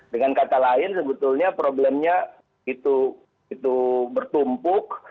dengan kata lain sebetulnya problemnya itu bertumpuk